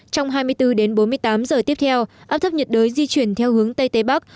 trong hai mươi bốn đến bốn mươi tám giờ tiếp theo áp thấp nhiệt đới di chuyển theo hướng tây tây bắc